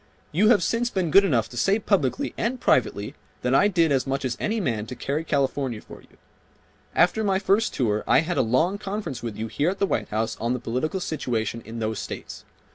You have since been good enough to say publicly and privately that I did as much as any man to carry California for you. After my first tour I had a long conference with you here at the White House on the political situation in those states.